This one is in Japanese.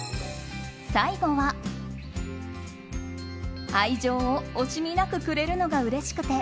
最後は、愛情を惜しみなくくれるのがうれしくて